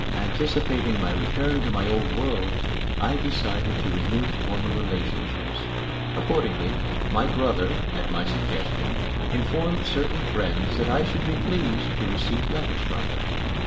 Anticipating my return to my old world, I decided to renew former relationships. Accordingly, my brother, at my suggestion, informed certain friends that I should be pleased to receive letters from them.